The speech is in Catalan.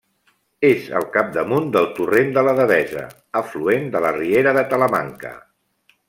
És al capdamunt del torrent de la Devesa, afluent de la riera de Talamanca.